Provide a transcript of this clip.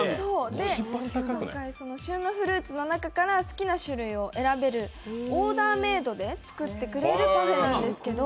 旬のフルーツの中から好きな種類を選べるオーダーメードで作ってくれるパフェなんですけど